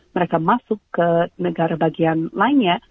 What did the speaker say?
mereka masuk ke negara bagian lainnya